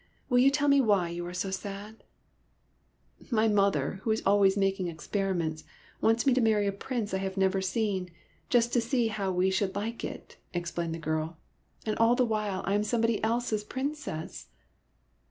'' Will you tell me why you are so sad ?"" My mother, who is always making experi ments, wants me to marry a Prince I have r"^^ never seen, just to see hovv^ we should like it," explained the girl. '' And all the while, I am somebody else's Princess